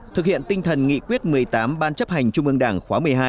thực hiện tinh thần nghị quyết một mươi tám ban chấp hành trung ương đảng khóa một mươi hai